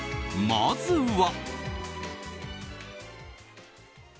まずは。